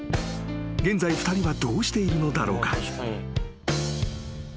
［現在２人はどうしているのだろうか？］